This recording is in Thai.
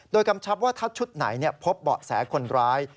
โดยกำชับว่าถ้าชุดไหนพบเบาะแสคนร้าย